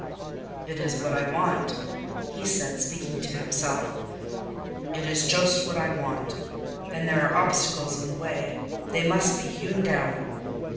"It is what I want," he said, speaking to himself; "it is just what I want. And there are obstacles in the way: they must be hewn down.